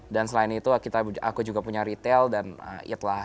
dan selain itu aku juga punya retail dan itlah